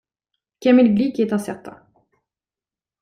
Kamil Glik est incertain.